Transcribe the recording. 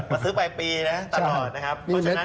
มาซื้อปลายปีนะตลอดนะครับ